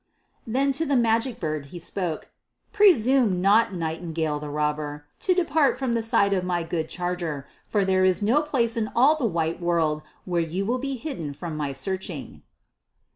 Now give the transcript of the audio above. Then to the Magic Bird he spoke, "Presume not, Nightingale the Robber, to depart from the side of my good charger, for there is no place in all the white world where you will be hidden from my searching."